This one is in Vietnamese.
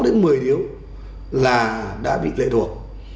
đến một mươi điếu là đã bị lệ thuộc